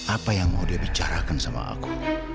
apa yang mau dia bicarakan sama aku